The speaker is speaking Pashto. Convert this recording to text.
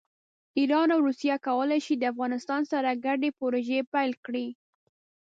ایران او روسیه کولی شي د افغانستان سره ګډې پروژې پیل کړي.